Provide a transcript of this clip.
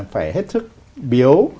phải hết sức biếu